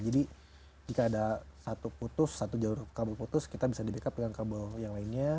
jadi jika ada satu putus satu jauh kabel putus kita bisa di backup dengan kabel yang lainnya